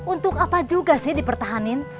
untuk apa juga sih dipertahanin